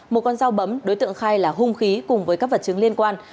một con dao bấm đối tượng khai là hung khí cùng với các vật chứng liên quan